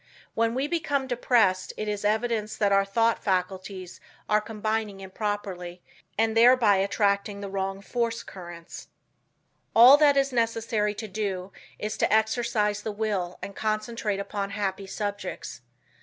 When we become depressed It is evidence that our thought faculties are combining improperly and thereby attracting the wrong force currents. All that it is necessary to do is to exercise the will and concentrate upon happy subjects.